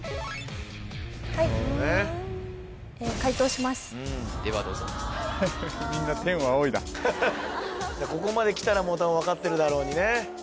はい解答しますではどうぞここまできたらもう分かってるだろうね